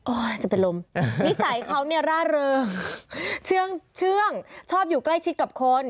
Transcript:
จะเป็นลมนิสัยเขาเนี่ยร่าเริงเชื่องชอบอยู่ใกล้ชิดกับคน